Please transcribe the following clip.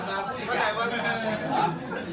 ก็ไปบ่อน้อยสิ